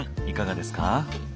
いかがですか？